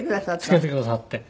つけてくださって。